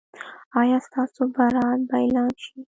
ایا ستاسو برات به اعلان شي؟